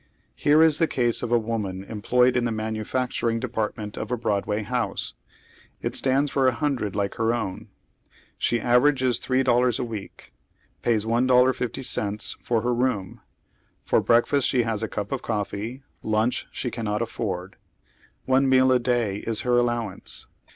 Here is the case of a woman employed in the manufacturing depart ment of a Broadway house. It stands for a hundi ed like her own. She averages three dollars a week. Pays $1.50 for her room ; for breakfast she has a cup of coffee ; lunch she cannot afford. One meal a day is her allowance.